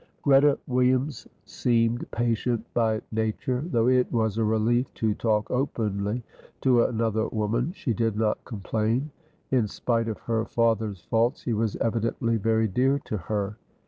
Greta Williams seemed patient by nature; though it was a relief to talk openly to another woman, she did not complain. In spite of her father's faults, he was evidently very dear to her.